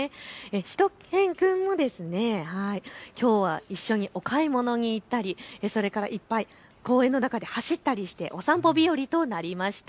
しゅと犬くんもきょうは一緒にお買い物に行ったりいっぱい公園の中で走ったりしてお散歩日和となりました。